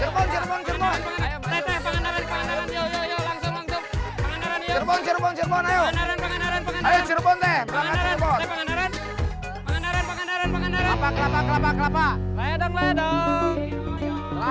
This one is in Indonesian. pangandaran pangandaran pangandaran